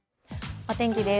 お天気です。